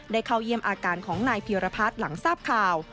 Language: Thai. เข้าเยี่ยมอาการของนายเพียรพัฒน์หลังทราบข่าว